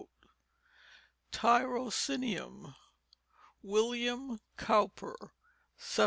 Tyrocinium. William Cowper, 1784.